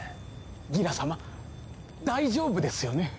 ギラ様大丈夫ですよね？